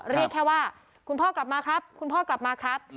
เรียกแค่ว่าคุณพ่อกลับมาครับคุณพ่อกลับมาครับ